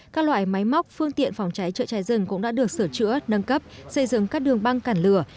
các loại máy móc phương tiện phòng cháy trợ cháy rừng cũng đã được sửa chữa nâng cấp xây dựng các đường băng cản lửa